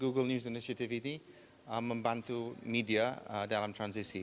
google news utiative ini membantu media dalam transisi